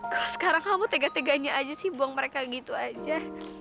kalau sekarang kamu tega teganya aja sih buang mereka gitu aja